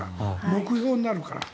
目標になるから。